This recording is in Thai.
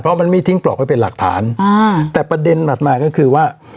เพราะมันไม่ทิ้งปลอกไว้เป็นหลักฐานอ่าแต่ประเด็นถัดมาก็คือว่า